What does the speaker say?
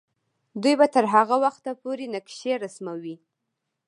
دوی به تر هغه وخته پورې نقشې رسموي.